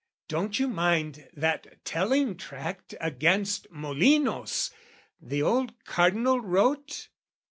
don't you mind that telling tract "Against Molinos, the old Cardinal wrote?